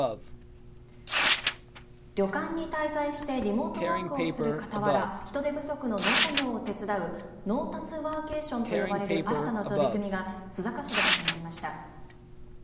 旅館に滞在してリモートワークをするかたわら人手不足の農作業を手伝うノウタスワーケーションと呼ばれる新たな取り組みが須坂市で始まりました。